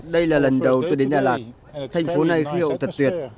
đây là lần đầu tôi đến đà lạt thành phố này khí hậu thật tuyệt